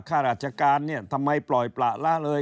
ข้าราชการเนี่ยทำไมปล่อยประละเลย